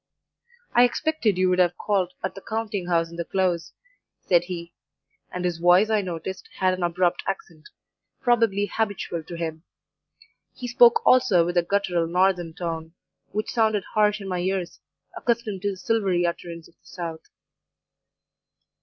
"'I expected you would have called at the counting house in the Close,' said he; and his voice, I noticed, had an abrupt accent, probably habitual to him; he spoke also with a guttural northern tone, which sounded harsh in my ears, accustomed to the silvery utterance of the South.